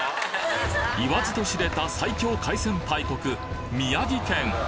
いわずと知れた最強海鮮大国宮城県！